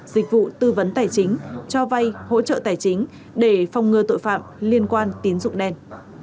dịch vụ tư vấn tài chính cho vay hỗ trợ tài chính để phòng ngừa tội phạm liên quan tín dụng đen